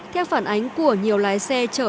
theo phản ánh của nhiều lái xe trở